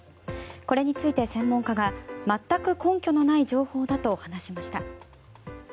これについて専門家が全く根拠のない情報だと話しました。